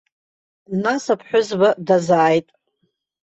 Нас аԥҳәызба дазааит.